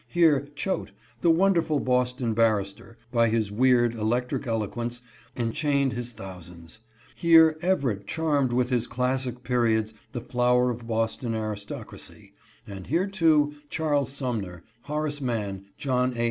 Here Choate, the wonderful Boston barrister, by his weird, electric eloquence, enchained his thousands ; here Everett charmed with his classic periods the flower of Boston aristocracy ; and here, too, Charles Sumner, Horace Mann, John A.